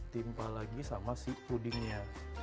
timpa lagi sama si pudingnya